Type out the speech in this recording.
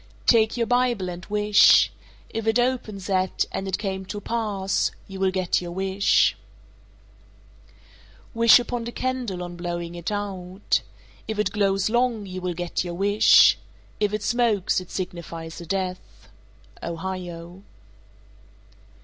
Take your Bible and wish. If it opens at "and it came to pass," you will get your wish. 433. Wish upon a candle on blowing it out. If it glows long, you will get your wish. If it smokes, it signifies a death. _Ohio.